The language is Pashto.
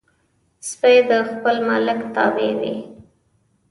سپي د خپل مالک تابع وي.